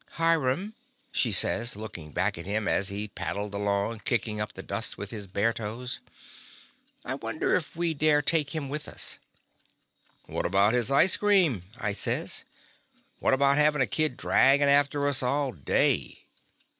Hiram/' she says, looking back at him as he paddled along kicking up the dust with his bare toes, "I wonder if we dare take him with us?" "What about his ice cream?" I says. "What about having a kid dragging after us all day?"